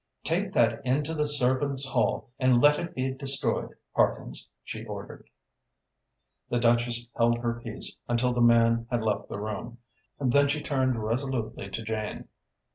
"Take that into the servants' hall and let it be destroyed, Parkins," she ordered. The Duchess held her peace until the man had left the room. Then she turned resolutely to Jane.